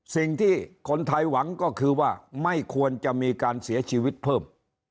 สิ่งที่คนไทยหวังก็คือว่าไม่ควรจะมีการเสียชีวิตเพิ่ม